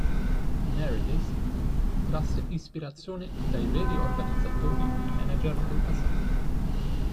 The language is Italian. Meredith trasse ispirazione dai veri organizzatori e manager del passato.